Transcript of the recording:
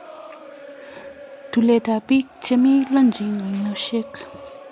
Tuletab bek che mi loigeny ainosiek